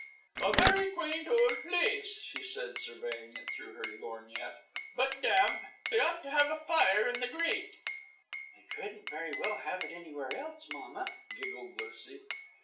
"A very quaint old place," she said surveying it through her lorgnette; "but damp. They ought to have a fire in the grate." "They couldn't very well have it anywhere else, mamma," giggled Lucy.